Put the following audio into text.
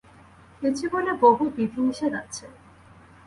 এ জীবনে বহু বিধি-নিষেধ আছে।